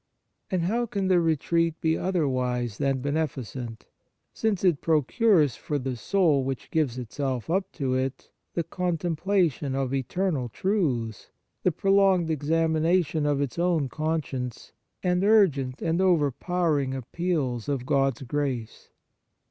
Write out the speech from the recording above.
Spiritual Retreats And how can the retreat be other wise than beneficent, since it procures for the soul which gives itself up to it the contemplation of eternal truths, the prolonged examination of its own conscience, and urgent and over powering appeals of God s grace